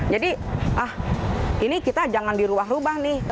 jadi ini kita jangan diruah ruah nih